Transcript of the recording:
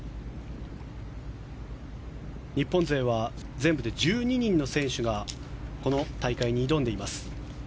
日本勢は全部で１２人の選手がこの大会に挑んでいます。